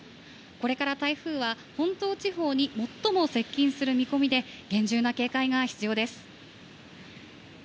これから台風は本島地方に最も接近する見込みで厳重な警戒が必要です。